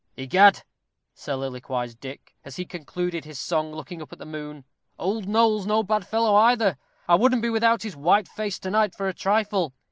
"Egad," soliloquized Dick, as he concluded his song, looking up at the moon. "Old Noll's no bad fellow, either. I wouldn't be without his white face to night for a trifle.